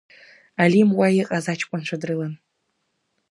Алим уа иҟаз аҷкәынцәа дрылан.